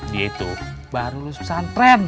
dia itu baru pesantren